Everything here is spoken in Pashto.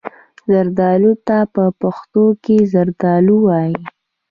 زردالو ته په پښتو کې زردالو وايي.